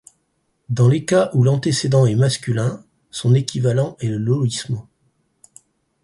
Dans les cas où l'antécédent est masculin, son équivalent est le loísmo.